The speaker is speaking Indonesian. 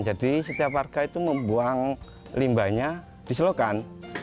jadi setiap warga itu membuang limbahnya disalurkan